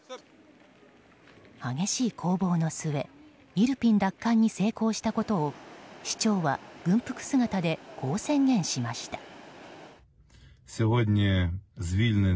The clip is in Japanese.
激しい攻防の末イルピン奪還に成功したことを市長は軍服姿でこう宣言しました。